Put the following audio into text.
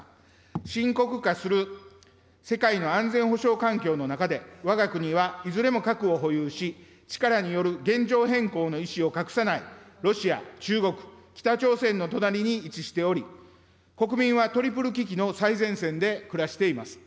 深刻化する世界の安全保障環境の中で、わが国はいずれも核を保有し、力による現状変更の意思を隠さないロシア、中国、北朝鮮の隣に位置しており、国民はトリプル危機の最前線で暮らしています。